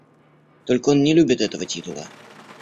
Только он не любит этого титула.